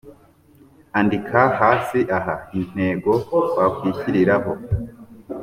andika hasi aha intego wakwishyiriraho